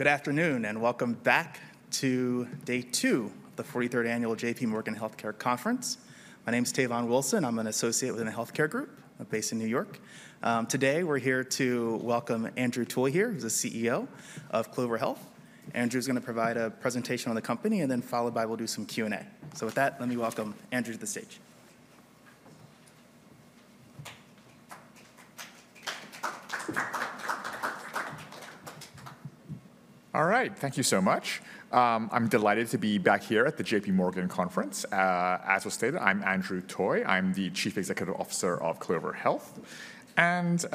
Good afternoon, and welcome back to day two of the 43rd Annual J.P. Morgan Healthcare Conference. My name is Ta-Von Wilson. I'm an associate within a healthcare group based in New York. Today, we're here to welcome Andrew Toy, who is the CEO of Clover Health. Andrew is going to provide a presentation on the company, and then followed by, we'll do some Q&A. So with that, let me welcome Andrew to the stage. All right, thank you so much. I'm delighted to be back here at the J.P. Morgan Conference. As was stated, I'm Andrew Toy. I'm the Chief Executive Officer of Clover Health. And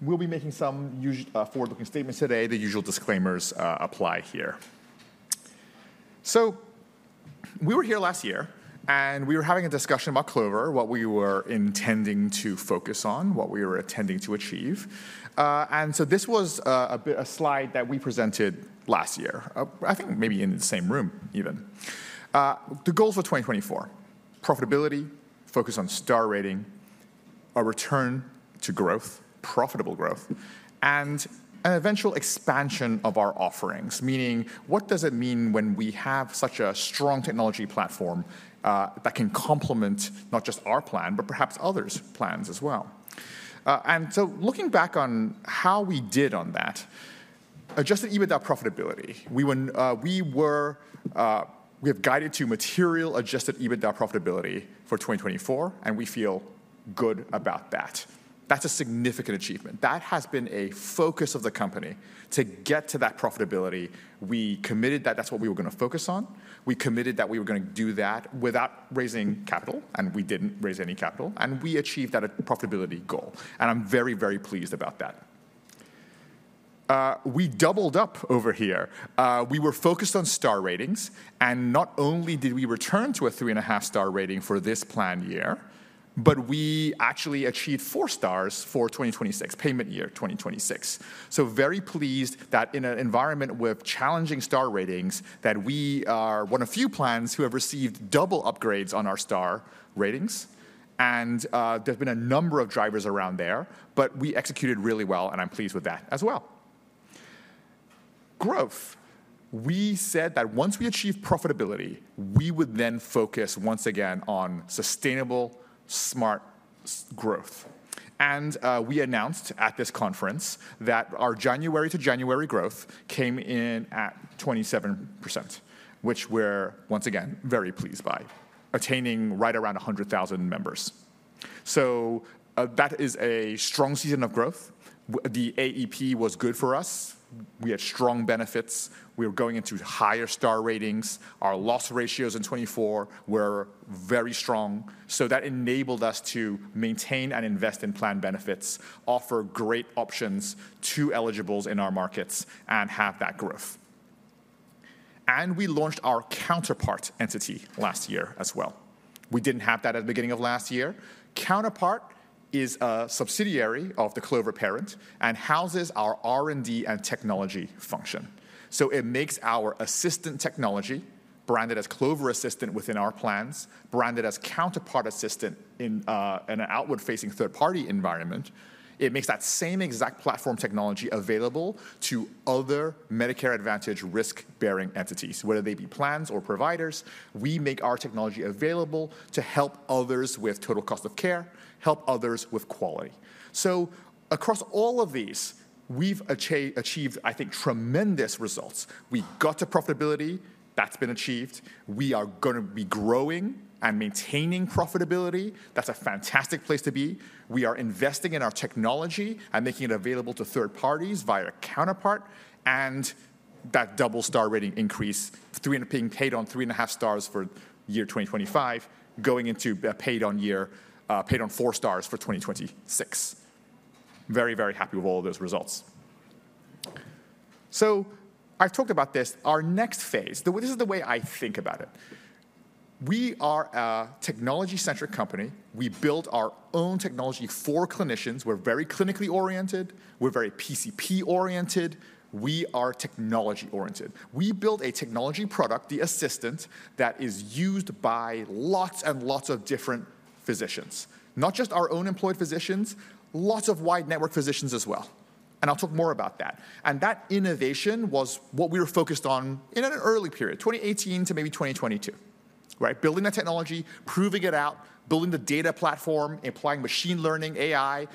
we'll be making some forward-looking statements today. The usual disclaimers apply here. So we were here last year, and we were having a discussion about Clover, what we were intending to focus on, what we were intending to achieve. And so this was a slide that we presented last year, I think maybe in the same room even. The goals for 2024: profitability, focus on star rating, a return to growth, profitable growth, and an eventual expansion of our offerings. Meaning, what does it mean when we have such a strong technology platform that can complement not just our plan, but perhaps others' plans as well? So looking back on how we did on that, Adjusted EBITDA profitability, we have guided to material Adjusted EBITDA profitability for 2024, and we feel good about that. That's a significant achievement. That has been a focus of the company to get to that profitability. We committed that that's what we were going to focus on. We committed that we were going to do that without raising capital, and we didn't raise any capital. And we achieved that profitability goal. And I'm very, very pleased about that. We doubled up over here. We were focused on Star Ratings. And not only did we return to a three-and-a-half-star rating for this plan year, but we actually achieved four stars for 2026, payment year 2026. Very pleased that in an environment with challenging Star Ratings, that we are one of the few plans who have received double upgrades on our Star Ratings. And there have been a number of drivers around there, but we executed really well, and I'm pleased with that as well. Growth. We said that once we achieve profitability, we would then focus once again on sustainable, smart growth. And we announced at this conference that our January-to-January growth came in at 27%, which we're once again very pleased by, attaining right around 100,000 members. So that is a strong season of growth. The AEP was good for us. We had strong benefits. We were going into higher Star Ratings. Our loss ratios in 2024 were very strong. So that enabled us to maintain and invest in plan benefits, offer great options to eligibles in our markets, and have that growth. We launched our Counterpart entity last year as well. We didn't have that at the beginning of last year. Counterpart is a subsidiary of the Clover parent and houses our R&D and technology function. It makes our assistant technology, branded as Clover Assistant within our plans, branded as Counterpart Assistant in an outward-facing third-party environment. It makes that same exact platform technology available to other Medicare Advantage risk-bearing entities, whether they be plans or providers. We make our technology available to help others with total cost of care, help others with quality. Across all of these, we've achieved, I think, tremendous results. We got to profitability. That's been achieved. We are going to be growing and maintaining profitability. That's a fantastic place to be. We are investing in our technology and making it available to third parties via Counterpart. And that double star rating increase, paying paid on three-and-a-half stars for year 2025, going into a paid-on-year, paid-on-four stars for 2026. Very, very happy with all of those results. So I've talked about this. Our next phase, this is the way I think about it. We are a technology-centric company. We build our own technology for clinicians. We're very clinically oriented. We're very PCP-oriented. We are technology-oriented. We build a technology product, the assistant, that is used by lots and lots of different physicians, not just our own employed physicians, lots of wide-network physicians as well. And I'll talk more about that. And that innovation was what we were focused on in an early period, 2018 to maybe 2022, right? Building that technology, proving it out, building the data platform, applying machine learning, AI,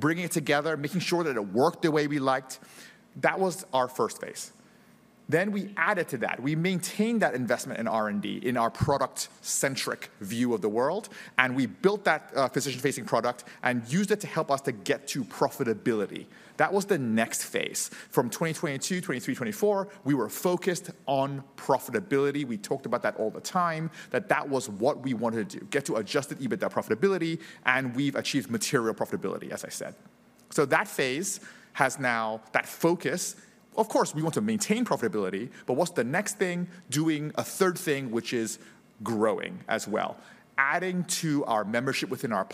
bringing it together, making sure that it worked the way we liked. That was our first phase. Then we added to that. We maintained that investment in R&D, in our product-centric view of the world. And we built that physician-facing product and used it to help us to get to profitability. That was the next phase. From 2022, 2023, 2024, we were focused on profitability. We talked about that all the time, that that was what we wanted to do, get to Adjusted EBITDA profitability. And we've achieved material profitability, as I said. So that phase has now that focus. Of course, we want to maintain profitability. But what's the next thing? Doing a third thing, which is growing as well. Adding to our membership within our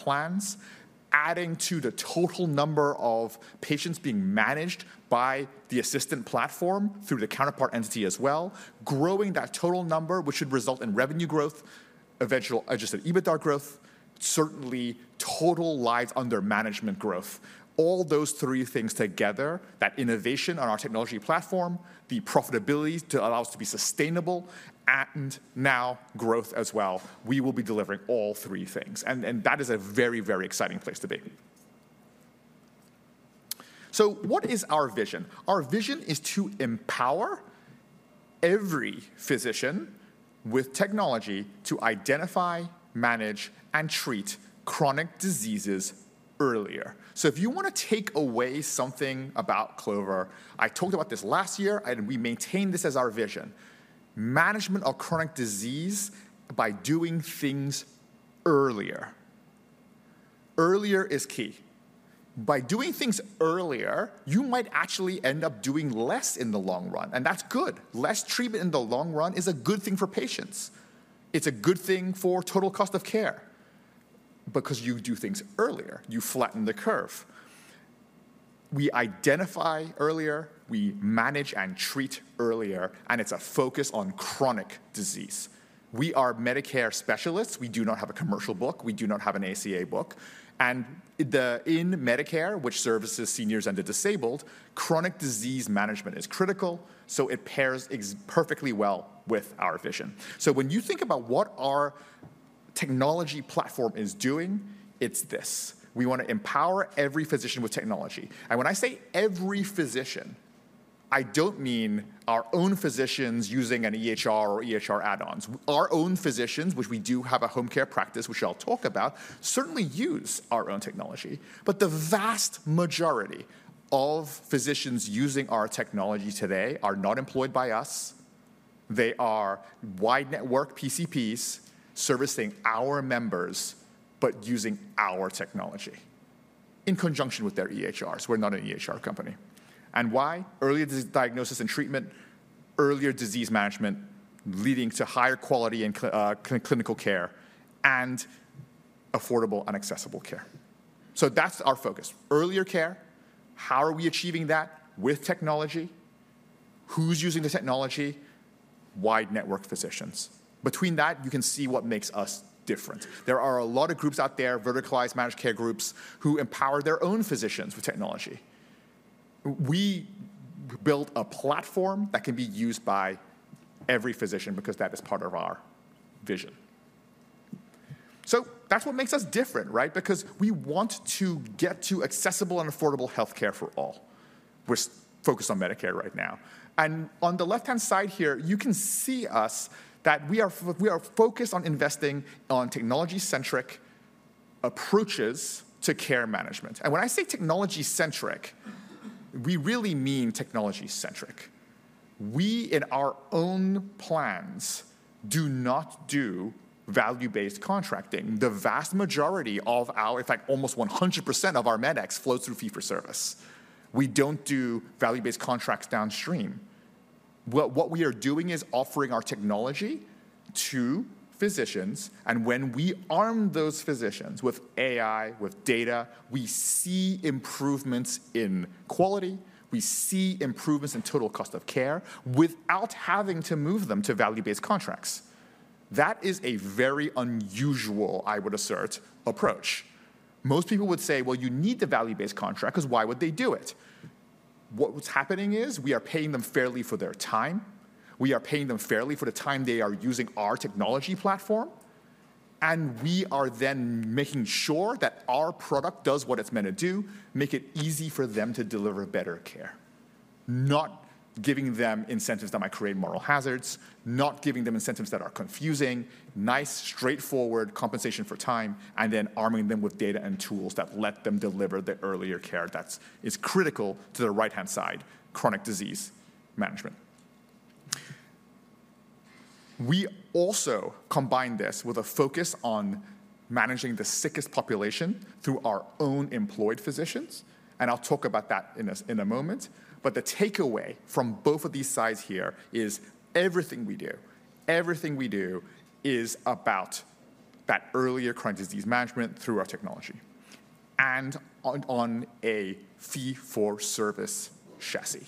plans, adding to the total number of patients being managed by the assistant platform through the counterpart entity as well, growing that total number, which should result in revenue growth, eventual Adjusted EBITDA growth, certainly total lives under management growth. All those three things together, that innovation on our technology platform, the profitability to allow us to be sustainable, and now growth as well. We will be delivering all three things, and that is a very, very exciting place to be, so what is our vision? Our vision is to empower every physician with technology to identify, manage, and treat chronic diseases earlier, so if you want to take away something about Clover, I talked about this last year, and we maintained this as our vision, management of chronic disease by doing things earlier. Earlier is key. By doing things earlier, you might actually end up doing less in the long run. And that's good. Less treatment in the long run is a good thing for patients. It's a good thing for total cost of care because you do things earlier. You flatten the curve. We identify earlier. We manage and treat earlier. And it's a focus on chronic disease. We are Medicare specialists. We do not have a commercial book. We do not have an ACA book. And in Medicare, which services seniors and the disabled, chronic disease management is critical. So it pairs perfectly well with our vision. So when you think about what our technology platform is doing, it's this. We want to empower every physician with technology. And when I say every physician, I don't mean our own physicians using an EHR or EHR add-ons. Our own physicians, which we do have a home care practice, which I'll talk about, certainly use our own technology. But the vast majority of physicians using our technology today are not employed by us. They are wide-network PCPs servicing our members, but using our technology in conjunction with their EHRs. We're not an EHR company. And why? Earlier diagnosis and treatment, earlier disease management, leading to higher quality and clinical care, and affordable and accessible care. So that's our focus. Earlier care, how are we achieving that with technology? Who's using the technology? Wide-network physicians. Between that, you can see what makes us different. There are a lot of groups out there, verticalized managed care groups, who empower their own physicians with technology. We build a platform that can be used by every physician because that is part of our vision. So that's what makes us different, right? Because we want to get to accessible and affordable healthcare for all. We're focused on Medicare right now. And on the left-hand side here, you can see that we are focused on investing on technology-centric approaches to care management. And when I say technology-centric, we really mean technology-centric. We, in our own plans, do not do value-based contracting. The vast majority of our, in fact, almost 100% of our Medicare flow through fee-for-service. We don't do value-based contracts downstream. What we are doing is offering our technology to physicians. And when we arm those physicians with AI, with data, we see improvements in quality. We see improvements in total cost of care without having to move them to value-based contracts. That is a very unusual, I would assert, approach. Most people would say, well, you need the value-based contract because why would they do it? What's happening is we are paying them fairly for their time. We are paying them fairly for the time they are using our technology platform, and we are then making sure that our product does what it's meant to do, making it easy for them to deliver better care, not giving them incentives that might create moral hazards, not giving them incentives that are confusing, nice, straightforward compensation for time, and then arming them with data and tools that let them deliver the earlier care that is critical to the right-hand side, chronic disease management. We also combine this with a focus on managing the sickest population through our own employed physicians, and I'll talk about that in a moment. But the takeaway from both of these sides here is everything we do, everything we do is about that earlier chronic disease management through our technology and on a fee-for-service chassis,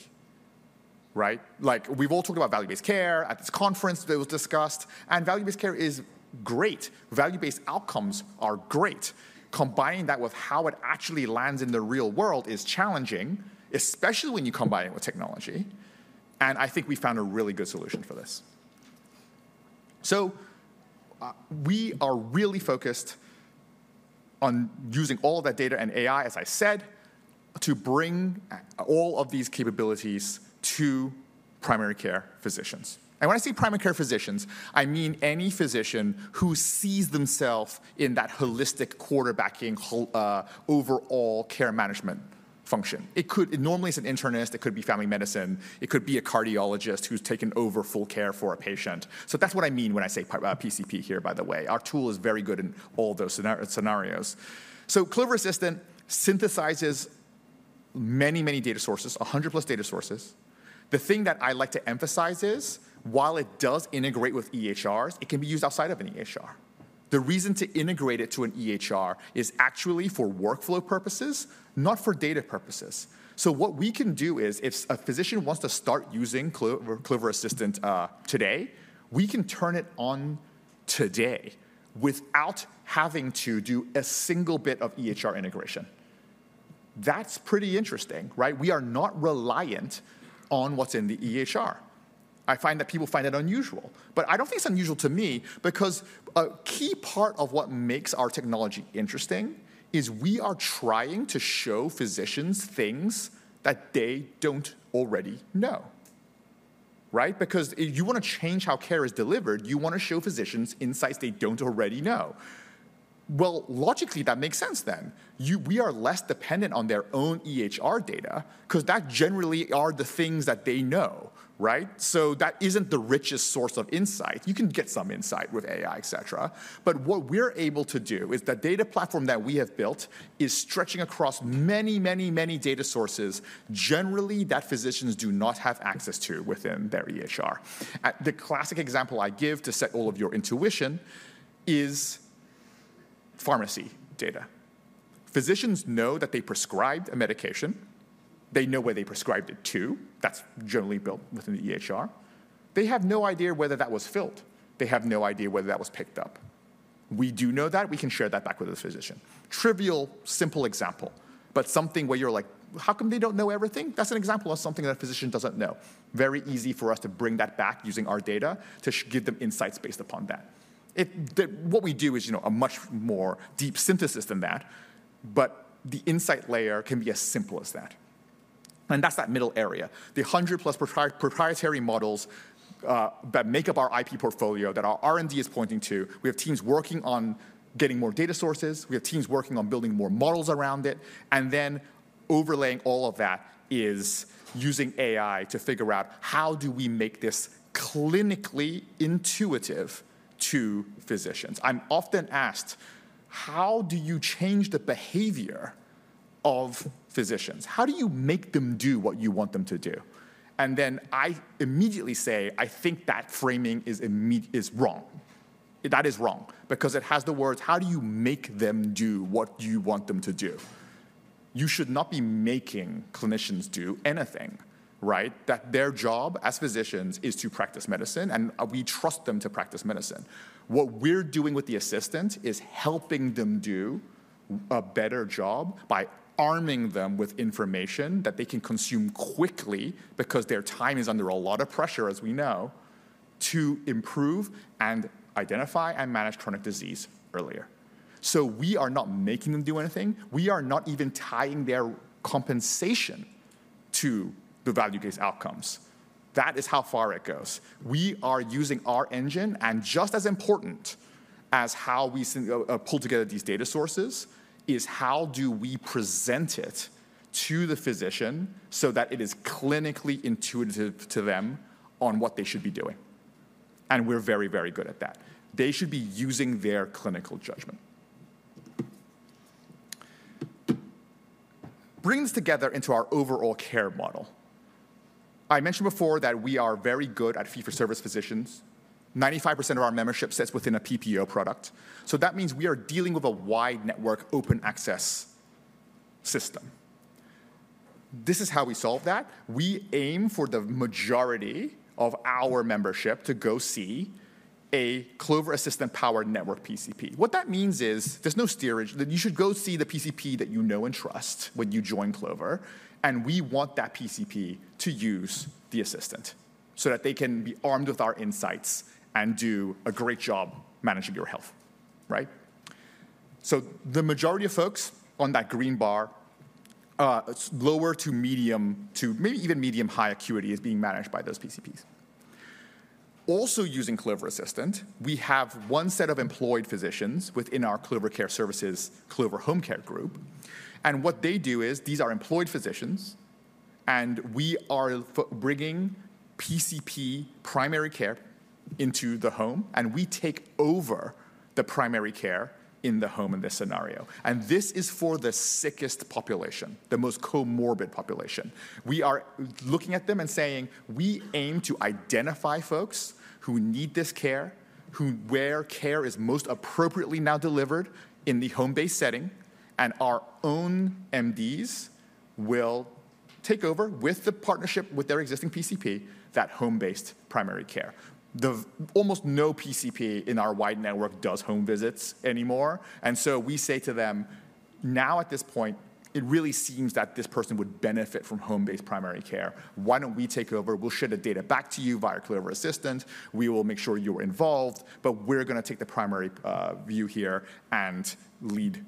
right? Like we've all talked about value-based care at this conference that was discussed, and value-based care is great. Value-based outcomes are great. Combining that with how it actually lands in the real world is challenging, especially when you combine it with technology and I think we found a really good solution for this, so we are really focused on using all that data and AI, as I said, to bring all of these capabilities to primary care physicians and when I say primary care physicians, I mean any physician who sees themselves in that holistic quarterbacking overall care management function. It could normally be an internist. It could be family medicine. It could be a cardiologist who's taken over full care for a patient. So that's what I mean when I say PCP here, by the way. Our tool is very good in all those scenarios. So Clover Assistant synthesizes many, many data sources, 100-plus data sources. The thing that I like to emphasize is, while it does integrate with EHRs, it can be used outside of an EHR. The reason to integrate it to an EHR is actually for workflow purposes, not for data purposes. So what we can do is, if a physician wants to start using Clover Assistant today, we can turn it on today without having to do a single bit of EHR integration. That's pretty interesting, right? We are not reliant on what's in the EHR. I find that people find it unusual. But I don't think it's unusual to me because a key part of what makes our technology interesting is we are trying to show physicians things that they don't already know, right? Because if you want to change how care is delivered, you want to show physicians insights they don't already know. Well, logically, that makes sense then. We are less dependent on their own EHR data because that generally are the things that they know, right? So that isn't the richest source of insight. You can get some insight with AI, et cetera. But what we're able to do is the data platform that we have built is stretching across many, many, many data sources generally that physicians do not have access to within their EHR. The classic example I give to set all of your intuition is pharmacy data. Physicians know that they prescribed a medication. They know where they prescribed it to. That's generally built within the EHR. They have no idea whether that was filled. They have no idea whether that was picked up. We do know that. We can share that back with the physician. Trivial, simple example, but something where you're like, how come they don't know everything? That's an example of something that a physician doesn't know. Very easy for us to bring that back using our data to give them insights based upon that. What we do is a much more deep synthesis than that. But the insight layer can be as simple as that. And that's that middle area, the 100-plus proprietary models that make up our IP portfolio that our R&D is pointing to. We have teams working on getting more data sources. We have teams working on building more models around it. And then overlaying all of that is using AI to figure out how do we make this clinically intuitive to physicians. I'm often asked, how do you change the behavior of physicians? How do you make them do what you want them to do? And then I immediately say, I think that framing is wrong. That is wrong because it has the words, how do you make them do what you want them to do? You should not be making clinicians do anything, right? That their job as physicians is to practice medicine, and we trust them to practice medicine. What we're doing with the assistant is helping them do a better job by arming them with information that they can consume quickly because their time is under a lot of pressure, as we know, to improve and identify and manage chronic disease earlier. We are not making them do anything. We are not even tying their compensation to the value-based outcomes. That is how far it goes. We are using our engine. And just as important as how we pull together these data sources is how do we present it to the physician so that it is clinically intuitive to them on what they should be doing. And we're very, very good at that. They should be using their clinical judgment. Bringing this together into our overall care model. I mentioned before that we are very good at fee-for-service physicians. 95% of our membership sits within a PPO product. So that means we are dealing with a wide network open access system. This is how we solve that. We aim for the majority of our membership to go see a Clover Assistant-powered network PCP. What that means is there's no steerage. You should go see the PCP that you know and trust when you join Clover, and we want that PCP to use the assistant so that they can be armed with our insights and do a great job managing your health, right, so the majority of folks on that green bar, lower to medium to maybe even medium-high acuity is being managed by those PCPs. Also using Clover Assistant, we have one set of employed physicians within our Clover Care Services Clover Home Care Group, and what they do is these are employed physicians, and we are bringing PCP primary care into the home, and we take over the primary care in the home in this scenario, and this is for the sickest population, the most comorbid population. We are looking at them and saying, we aim to identify folks who need this care, where care is most appropriately now delivered in the home-based setting, and our own MDs will take over with the partnership with their existing PCP that home-based primary care. Almost no PCP in our wide network does home visits anymore. And so we say to them, now at this point, it really seems that this person would benefit from home-based primary care. Why don't we take over? We'll share the data back to you via Clover Assistant. We will make sure you're involved, but we're going to take the primary view here and lead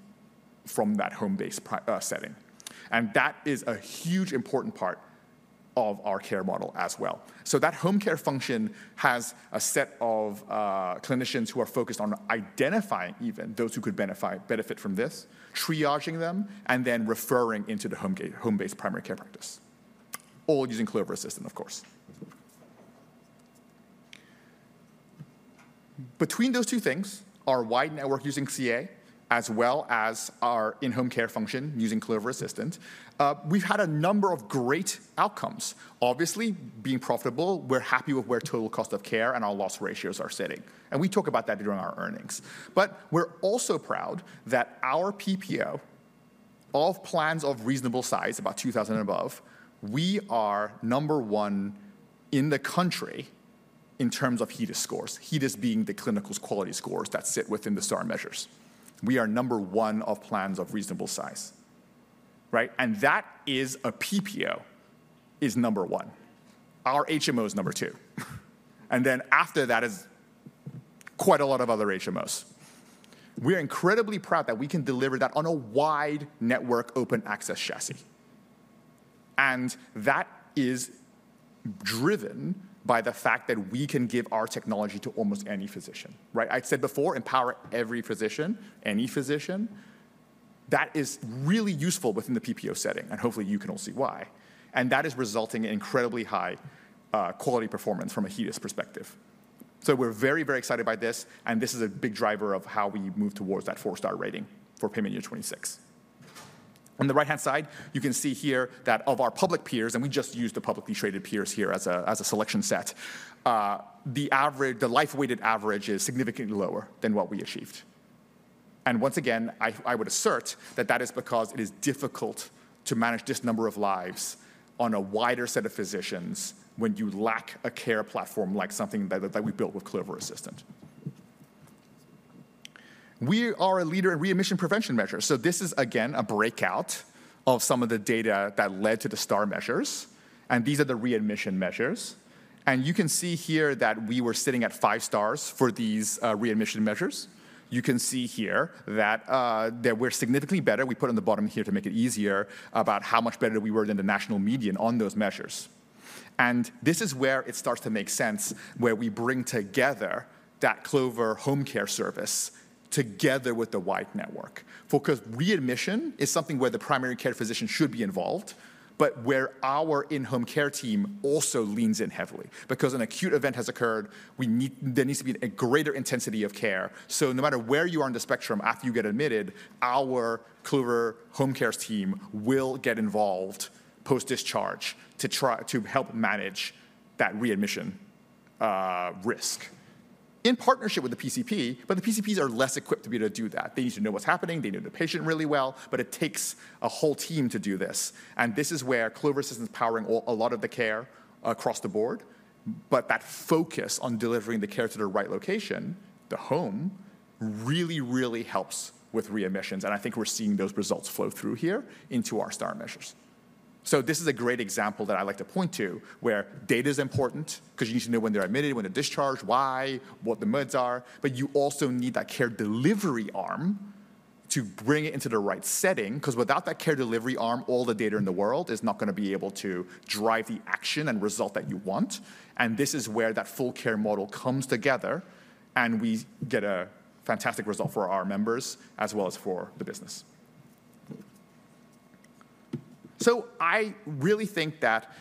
from that home-based setting. And that is a huge important part of our care model as well. So that home care function has a set of clinicians who are focused on identifying even those who could benefit from this, triaging them, and then referring into the home-based primary care practice, all using Clover Assistant, of course. Between those two things, our wide network using CA, as well as our in-home care function using Clover Assistant, we've had a number of great outcomes. Obviously, being profitable, we're happy with where total cost of care and our loss ratios are sitting. And we talk about that during our earnings. But we're also proud that our PPO, of plans of reasonable size, about 2,000 and above, we are number one in the country in terms of HEDIS scores, HEDIS being the clinical quality scores that sit within the Star measures. We are number one of plans of reasonable size, right? And that is a PPO is number one. Our HMO is number two, and then after that is quite a lot of other HMOs. We are incredibly proud that we can deliver that on a wide network open access chassis, and that is driven by the fact that we can give our technology to almost any physician, right? I said before, empower every physician, any physician. That is really useful within the PPO setting, and hopefully, you can all see why, and that is resulting in incredibly high quality performance from a HEDIS perspective, so we're very, very excited by this, and this is a big driver of how we move towards that four-star rating for payment year 26. On the right-hand side, you can see here that of our public peers, and we just used the publicly traded peers here as a selection set, the lives-weighted average is significantly lower than what we achieved. And once again, I would assert that that is because it is difficult to manage this number of lives on a wider set of physicians when you lack a care platform like something that we built with Clover Assistant. We are a leader in readmission prevention measures. So this is, again, a breakout of some of the data that led to the Star measures. And these are the readmission measures. And you can see here that we were sitting at five stars for these readmission measures. You can see here that we're significantly better. We put on the bottom here to make it easier about how much better we were than the national median on those measures. And this is where it starts to make sense where we bring together that Clover home care service together with the wide network. Because readmission is something where the primary care physician should be involved, but where our in-home care team also leans in heavily. Because an acute event has occurred, there needs to be a greater intensity of care. So no matter where you are on the spectrum after you get admitted, our Clover home care team will get involved post-discharge to help manage that readmission risk in partnership with the PCP. But the PCPs are less equipped to be able to do that. They need to know what's happening. They know the patient really well. But it takes a whole team to do this. And this is where Clover Assistant's powering a lot of the care across the board. But that focus on delivering the care to the right location, the home, really, really helps with readmissions. And I think we're seeing those results flow through here into our Star measures. So this is a great example that I like to point to where data is important because you need to know when they're admitted, when they're discharged, why, what the meds are. But you also need that care delivery arm to bring it into the right setting because without that care delivery arm, all the data in the world is not going to be able to drive the action and result that you want. And this is where that full care model comes together. And we get a fantastic result for our members as well as for the business. So I really think that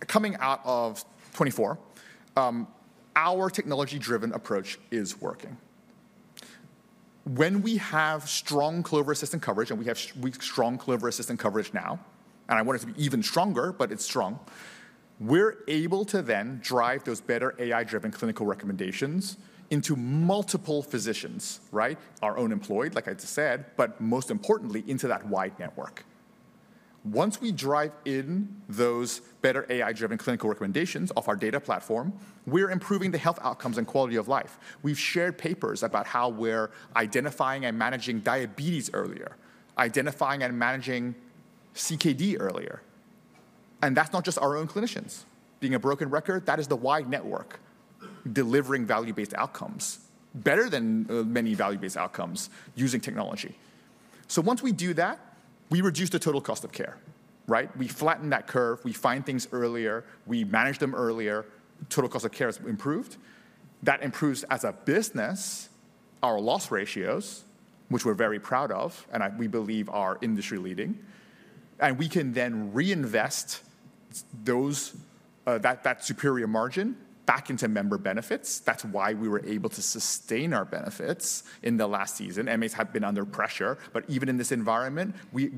coming out of 2024, our technology-driven approach is working. When we have strong Clover Assistant coverage, and we have strong Clover Assistant coverage now, and I want it to be even stronger, but it's strong, we're able to then drive those better AI-driven clinical recommendations into multiple physicians, right? Our own employed, like I just said, but most importantly, into that wide network. Once we drive in those better AI-driven clinical recommendations off our data platform, we're improving the health outcomes and quality of life. We've shared papers about how we're identifying and managing diabetes earlier, identifying and managing CKD earlier. And that's not just our own clinicians being a broken record. That is the wide network delivering value-based outcomes better than many value-based outcomes using technology. So once we do that, we reduce the total cost of care, right? We flatten that curve. We find things earlier. We manage them earlier. Total cost of care is improved. That improves as a business our loss ratios, which we're very proud of and we believe are industry-leading, and we can then reinvest that superior margin back into member benefits. That's why we were able to sustain our benefits in the last season. MAs have been under pressure, but even in this environment, we've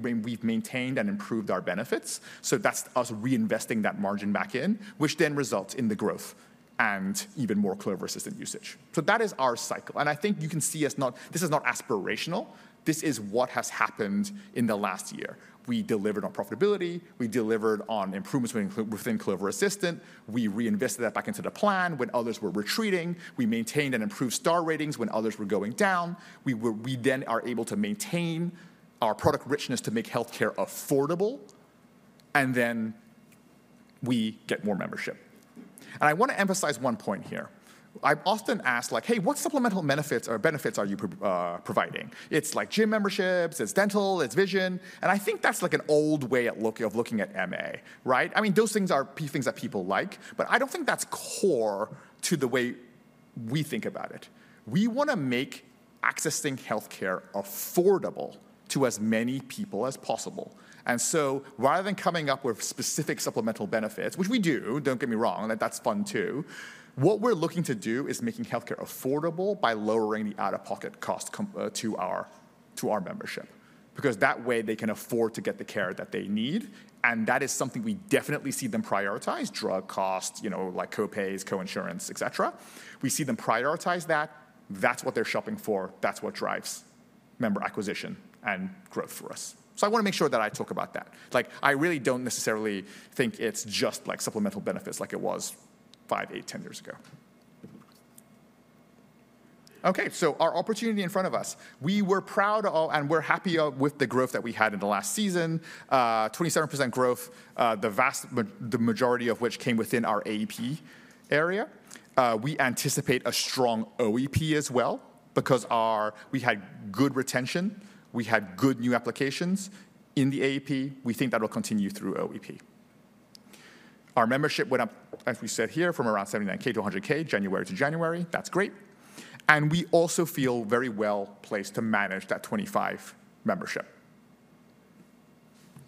maintained and improved our benefits. So that's us reinvesting that margin back in, which then results in the growth and even more Clover Assistant usage, so that is our cycle. And I think you can see this is not aspirational. This is what has happened in the last year. We delivered on profitability. We delivered on improvements within Clover Assistant. We reinvested that back into the plan when others were retreating. We maintained and improved Star Ratings when others were going down. We then are able to maintain our product richness to make healthcare affordable. And then we get more membership. And I want to emphasize one point here. I'm often asked, like, hey, what supplemental benefits are you providing? It's like gym memberships. It's dental. It's vision. And I think that's like an old way of looking at MA, right? I mean, those things are things that people like. But I don't think that's core to the way we think about it. We want to make accessing healthcare affordable to as many people as possible. And so rather than coming up with specific supplemental benefits, which we do, don't get me wrong, that's fun too, what we're looking to do is making healthcare affordable by lowering the out-of-pocket cost to our membership because that way they can afford to get the care that they need. And that is something we definitely see them prioritize: drug costs, like copays, coinsurance, etc. We see them prioritize that. That's what they're shopping for. That's what drives member acquisition and growth for us. So I want to make sure that I talk about that. I really don't necessarily think it's just like supplemental benefits like it was five, eight, ten years ago. Okay, so our opportunity in front of us. We were proud and we're happy with the growth that we had in the last season: 27% growth, the majority of which came within our AEP area. We anticipate a strong OEP as well because we had good retention. We had good new applications in the AEP. We think that will continue through OEP. Our membership went up, as we said here, from around 79K to 100K, January to January. That's great. And we also feel very well placed to manage that 25 membership.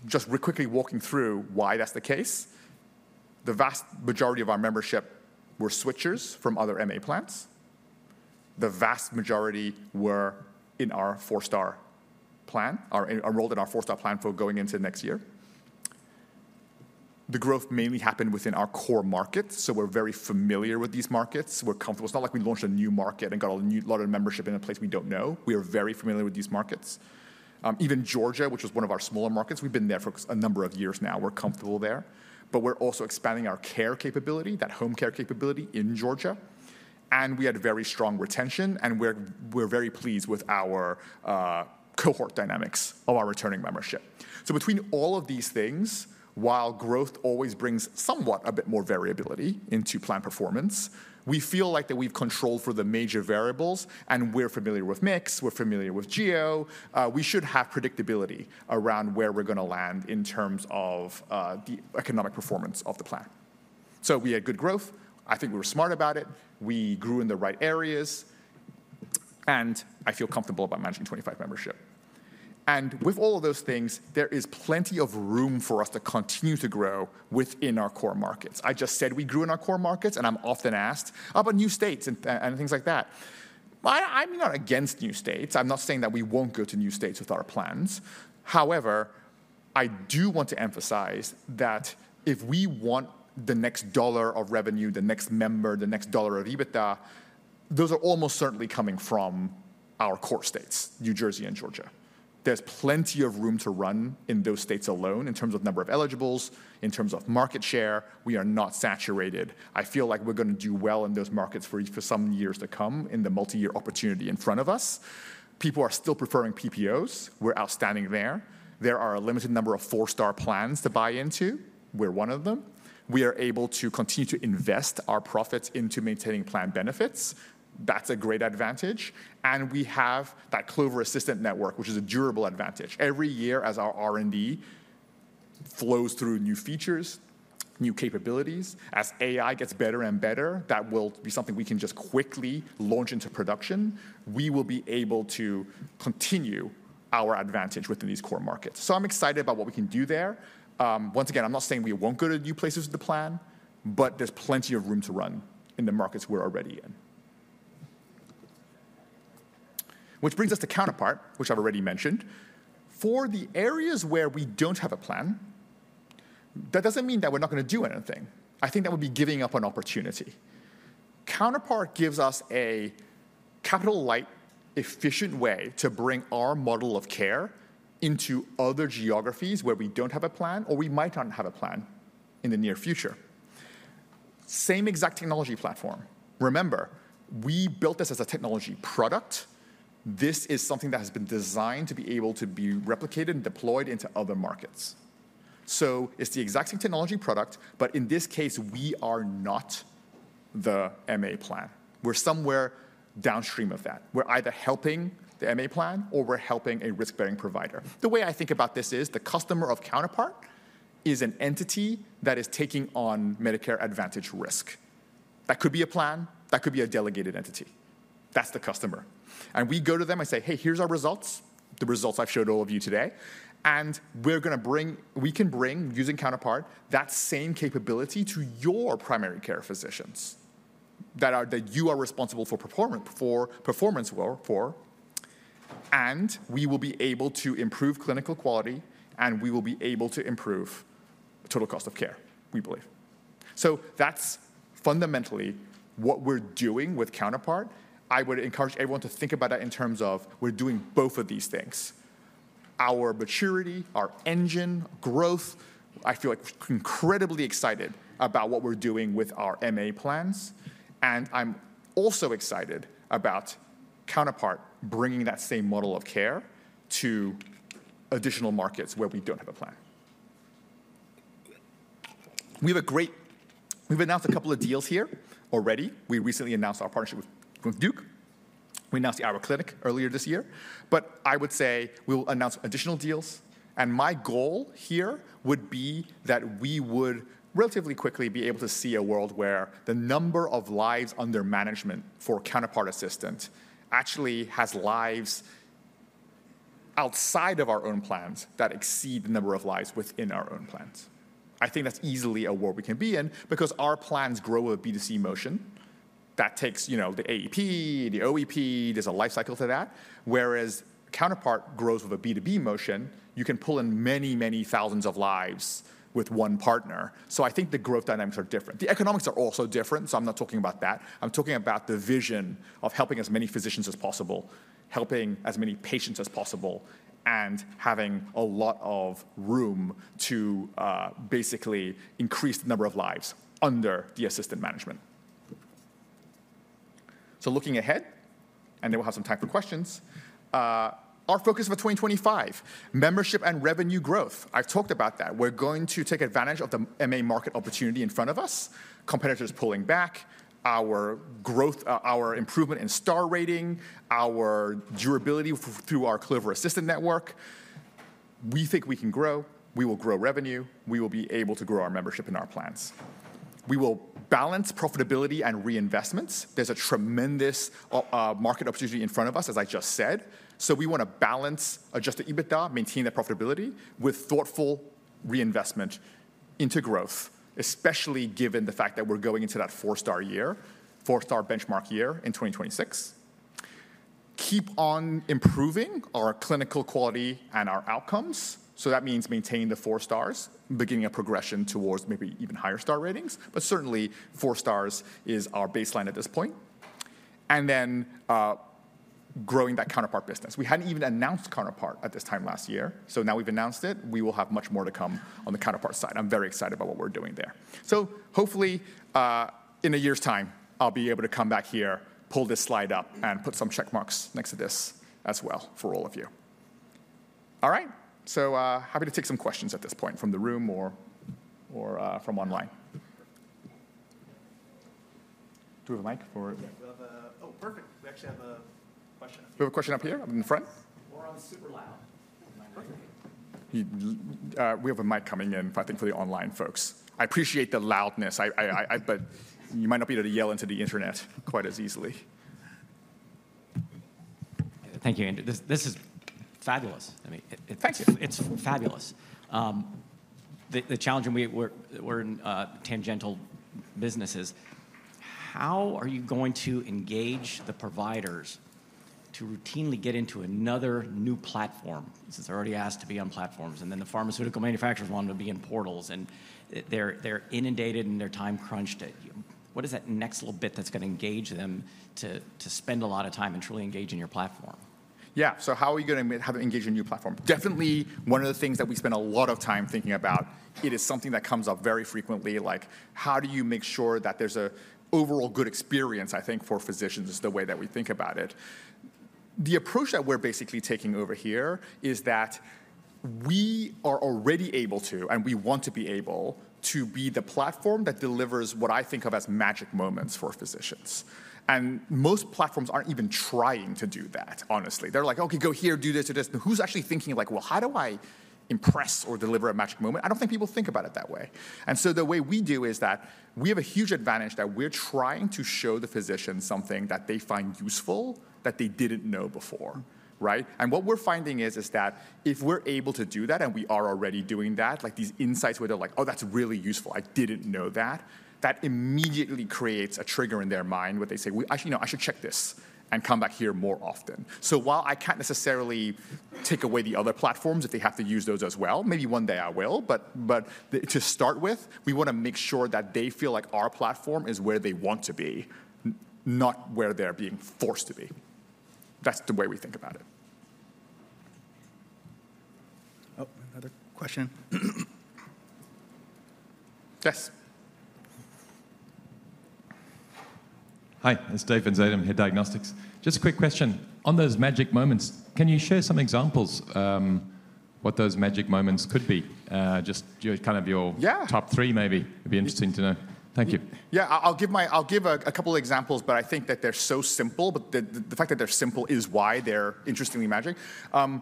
Just quickly walking through why that's the case. The vast majority of our membership were switchers from other MA plans. The vast majority were in our four-star plan, enrolled in our four-star plan for going into next year. The growth mainly happened within our core markets. So we're very familiar with these markets. We're comfortable. It's not like we launched a new market and got a lot of membership in a place we don't know. We are very familiar with these markets. Even Georgia, which was one of our smaller markets, we've been there for a number of years now. We're comfortable there. But we're also expanding our care capability, that home care capability in Georgia. And we had very strong retention. And we're very pleased with our cohort dynamics of our returning membership. Between all of these things, while growth always brings somewhat a bit more variability into plan performance, we feel like that we've controlled for the major variables. We're familiar with mix. We're familiar with geo. We should have predictability around where we're going to land in terms of the economic performance of the plan. We had good growth. I think we were smart about it. We grew in the right areas. I feel comfortable about managing 25 membership. With all of those things, there is plenty of room for us to continue to grow within our core markets. I just said we grew in our core markets. I'm often asked about new states and things like that. I'm not against new states. I'm not saying that we won't go to new states with our plans. However, I do want to emphasize that if we want the next dollar of revenue, the next member, the next dollar of EBITDA, those are almost certainly coming from our core states, New Jersey and Georgia. There's plenty of room to run in those states alone in terms of number of eligibles, in terms of market share. We are not saturated. I feel like we're going to do well in those markets for some years to come in the multi-year opportunity in front of us. People are still preferring PPOs. We're outstanding there. There are a limited number of four-star plans to buy into. We're one of them. We are able to continue to invest our profits into maintaining plan benefits. That's a great advantage. And we have that Clover Assistant network, which is a durable advantage. Every year as our R&D flows through new features, new capabilities, as AI gets better and better, that will be something we can just quickly launch into production. We will be able to continue our advantage within these core markets, so I'm excited about what we can do there. Once again, I'm not saying we won't go to new places with the plan, but there's plenty of room to run in the markets we're already in. Which brings us to Counterpart, which I've already mentioned. For the areas where we don't have a plan, that doesn't mean that we're not going to do anything. I think that would be giving up an opportunity. Counterpart gives us a capital-light efficient way to bring our model of care into other geographies where we don't have a plan or we might not have a plan in the near future. Same exact technology platform. Remember, we built this as a technology product. This is something that has been designed to be able to be replicated and deployed into other markets. So it's the exact same technology product, but in this case, we are not the MA plan. We're somewhere downstream of that. We're either helping the MA plan or we're helping a risk-bearing provider. The way I think about this is the customer of Counterpart is an entity that is taking on Medicare Advantage risk. That could be a plan. That could be a delegated entity. That's the customer. And we go to them and say, hey, here's our results, the results I've showed all of you today. And we're going to bring, we can bring, using Counterpart, that same capability to your primary care physicians that you are responsible for performance for. And we will be able to improve clinical quality, and we will be able to improve total cost of care, we believe. So that's fundamentally what we're doing with Counterpart. I would encourage everyone to think about that in terms of we're doing both of these things: our maturity, our engine, growth. I feel like we're incredibly excited about what we're doing with our MA plans. And I'm also excited about Counterpart bringing that same model of care to additional markets where we don't have a plan. We've announced a couple of deals here already. We recently announced our partnership with Duke. We announced the Iowa Clinic earlier this year. But I would say we'll announce additional deals. My goal here would be that we would relatively quickly be able to see a world where the number of lives under management for Counterpart Assistant actually has lives outside of our own plans that exceed the number of lives within our own plans. I think that's easily a world we can be in because our plans grow with a B2C motion. That takes the AEP, the OEP. There's a life cycle to that. Whereas Counterpart grows with a B2B motion, you can pull in many, many thousands of lives with one partner. So I think the growth dynamics are different. The economics are also different. So I'm not talking about that. I'm talking about the vision of helping as many physicians as possible, helping as many patients as possible, and having a lot of room to basically increase the number of lives under the assistant management. Looking ahead, and then we'll have some time for questions. Our focus for 2025: membership and revenue growth. I've talked about that. We're going to take advantage of the MA market opportunity in front of us. Competitors pulling back. Our improvement in Star rating, our durability through our Clover Assistant network. We think we can grow. We will grow revenue. We will be able to grow our membership and our plans. We will balance profitability and reinvestments. There's a tremendous market opportunity in front of us, as I just said. We want to balance Adjusted EBITDA, maintain that profitability with thoughtful reinvestment into growth, especially given the fact that we're going into that four-star year, four-star benchmark year in 2026. Keep on improving our clinical quality and our outcomes. That means maintaining the four stars, beginning a progression towards maybe even higher Star ratings. But certainly, four stars is our baseline at this point. And then growing that Counterpart business. We hadn't even announced Counterpart at this time last year. So now we've announced it. We will have much more to come on the Counterpart side. I'm very excited about what we're doing there. So hopefully, in a year's time, I'll be able to come back here, pull this slide up, and put some checkmarks next to this as well for all of you. All right. So happy to take some questions at this point from the room or from online. Do we have a mic for? Oh, perfect. We actually have a question. Do we have a question up here in the front? We're on super loud. Perfect. We have a mic coming in, I think, for the online folks. I appreciate the loudness, but you might not be able to yell into the internet quite as easily. Thank you, Andrew. This is fabulous. I mean, it's fabulous. The challenge when we're in tangential businesses, how are you going to engage the providers to routinely get into another new platform? Since they're already asked to be on platforms, and then the pharmaceutical manufacturers want them to be in portals, and they're inundated and they're time-crunched. What is that next little bit that's going to engage them to spend a lot of time and truly engage in your platform? Yeah. So how are you going to have them engage in a new platform? Definitely one of the things that we spend a lot of time thinking about. It is something that comes up very frequently, like, how do you make sure that there's an overall good experience, I think, for physicians is the way that we think about it. The approach that we're basically taking over here is that we are already able to, and we want to be able to be the platform that delivers what I think of as magic moments for physicians, and most platforms aren't even trying to do that, honestly. They're like, okay, go here, do this or this, but who's actually thinking like, well, how do I impress or deliver a magic moment? I don't think people think about it that way, and so the way we do is that we have a huge advantage that we're trying to show the physician something that they find useful that they didn't know before, right? What we're finding is that if we're able to do that, and we are already doing that, like these insights where they're like, oh, that's really useful. I didn't know that, that immediately creates a trigger in their mind where they say, I should check this and come back here more often. So while I can't necessarily take away the other platforms if they have to use those as well, maybe one day I will. But to start with, we want to make sure that they feel like our platform is where they want to be, not where they're being forced to be. That's the way we think about it. Oh, another question. Yes. Hi, it's Dave and Zadim here at Diagnostics. Just a quick question. On those magic moments, can you share some examples what those magic moments could be? Just kind of your top three, maybe. It'd be interesting to know. Thank you. Yeah, I'll give a couple of examples, but I think that they're so simple, but the fact that they're simple is why they're interestingly magic. One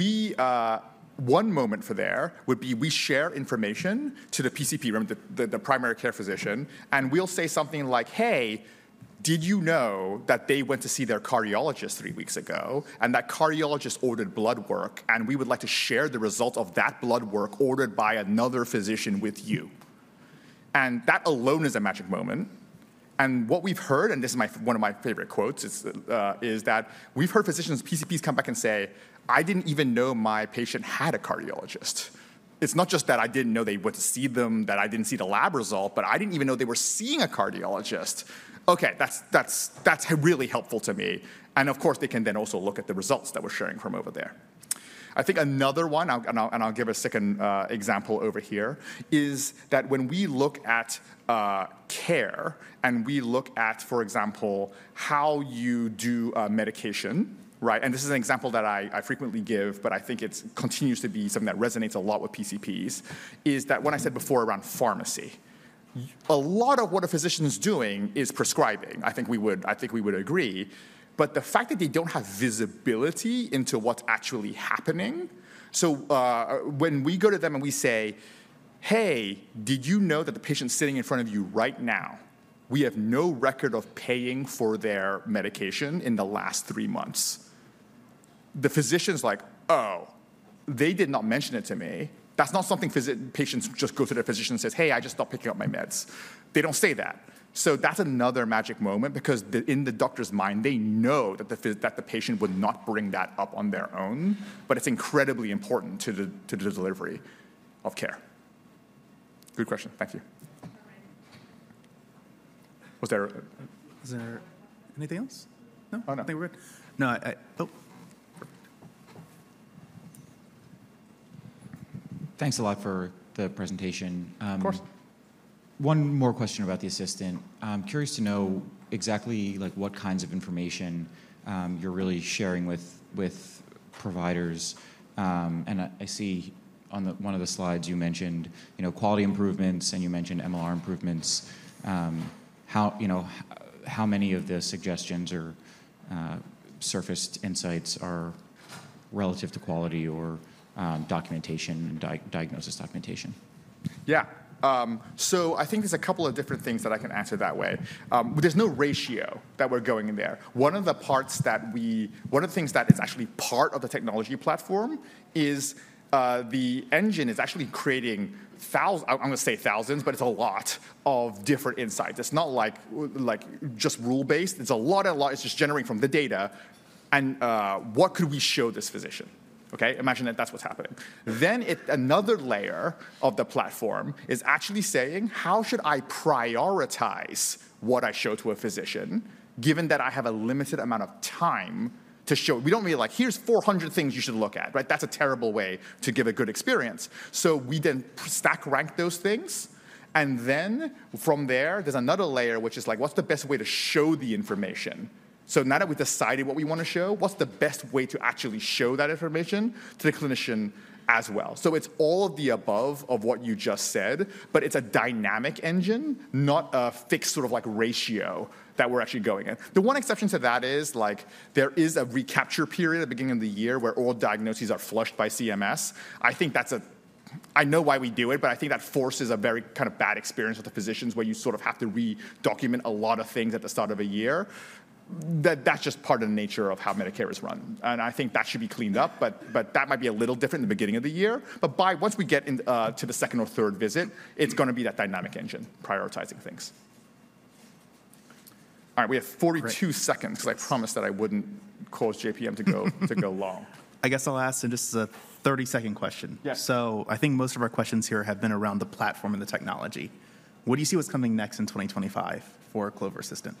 example of that would be we share information to the PCP, the primary care physician, and we'll say something like, hey, did you know that they went to see their cardiologist three weeks ago, and that cardiologist ordered blood work, and we would like to share the result of that blood work ordered by another physician with you, and that alone is a magic moment, and what we've heard, and this is one of my favorite quotes, is that we've heard physicians, PCPs come back and say, "I didn't even know my patient had a cardiologist. It's not just that I didn't know they went to see them, that I didn't see the lab result, but I didn't even know they were seeing a cardiologist. Okay, that's really helpful to me. And of course, they can then also look at the results that we're sharing from over there. I think another one, and I'll give a second example over here, is that when we look at care and we look at, for example, how you do medication, right? And this is an example that I frequently give, but I think it continues to be something that resonates a lot with PCPs, is that when I said before around pharmacy, a lot of what a physician is doing is prescribing. I think we would agree. But the fact that they don't have visibility into what's actually happening, so when we go to them and we say, hey, did you know that the patient's sitting in front of you right now? We have no record of paying for their medication in the last three months. The physician's like, oh, they did not mention it to me. That's not something patients just go to their physician and say, hey, I just stopped picking up my meds. They don't say that. So that's another magic moment because in the doctor's mind, they know that the patient would not bring that up on their own, but it's incredibly important to the delivery of care. Good question. Thank you. Was there anything else? No. I think we're good. No. Oh. Thanks a lot for the presentation. Of course. One more question about the assistant. I'm curious to know exactly what kinds of information you're really sharing with providers, and I see on one of the slides you mentioned quality improvements, and you mentioned MLR improvements. How many of the suggestions or surfaced insights are relative to quality or documentation, diagnosis documentation? Yeah. So I think there's a couple of different things that I can answer that way. There's no ratio that we're going in there. One of the parts that we, one of the things that is actually part of the technology platform is the engine is actually creating thousands, I'm going to say thousands, but it's a lot of different insights. It's not like just rule-based. It's a lot of, it's just generating from the data, and what could we show this physician? Okay, imagine that that's what's happening. Then another layer of the platform is actually saying, how should I prioritize what I show to a physician, given that I have a limited amount of time to show? We don't mean like, here's 400 things you should look at, right? That's a terrible way to give a good experience. So we then stack rank those things. And then from there, there's another layer, which is like, what's the best way to show the information? So now that we've decided what we want to show, what's the best way to actually show that information to the clinician as well? So it's all of the above of what you just said, but it's a dynamic engine, not a fixed sort of like ratio that we're actually going in. The one exception to that is there is a recapture period at the beginning of the year where all diagnoses are flushed by CMS. I think that's, I know why we do it, but I think that forces a very kind of bad experience with the physicians where you sort of have to redocument a lot of things at the start of a year. That's just part of the nature of how Medicare is run, and I think that should be cleaned up, but that might be a little different in the beginning of the year, but once we get to the second or third visit, it's going to be that dynamic engine prioritizing things. All right, we have 42 seconds because I promised that I wouldn't cause JPM to go long. I guess I'll ask just a 30-second question. So I think most of our questions here have been around the platform and the technology. What do you see what's coming next in 2025 for Clover Assistant?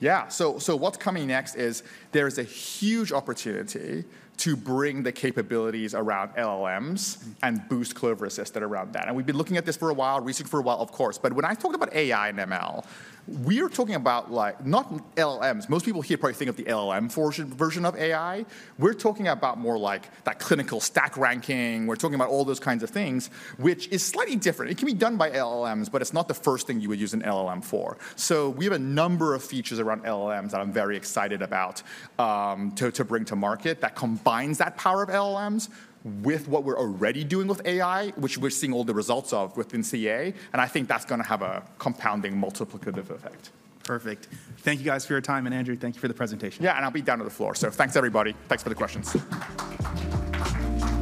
Yeah, so what's coming next is there is a huge opportunity to bring the capabilities around LLMs and boost Clover Assistant around that. And we've been looking at this for a while, researching for a while, of course. But when I talk about AI and ML, we are talking about not LLMs. Most people here probably think of the LLM version of AI. We're talking about more like that clinical stack ranking. We're talking about all those kinds of things, which is slightly different. It can be done by LLMs, but it's not the first thing you would use an LLM for. So we have a number of features around LLMs that I'm very excited about to bring to market that combines that power of LLMs with what we're already doing with AI, which we're seeing all the results of within CA. And I think that's going to have a compounding multiplicative effect. Perfect. Thank you, guys, for your time. And, Andrew, thank you for the presentation. Yeah, and I'll be down to the floor. So thanks, everybody. Thanks for the questions.